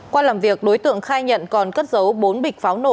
qua làm việc đối tượng khai nhận còn cất giấu bốn bịch pháo nổ